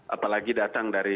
apalagi datang dari